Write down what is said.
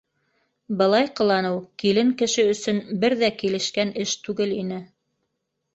Былай ҡыланыу килен кеше өсөн бер ҙә килешкән эш түгел ине.